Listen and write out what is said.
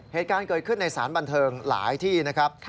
เหตุการณ์เกิดขึ้นในสารบันเทิงหลายที่นะครับ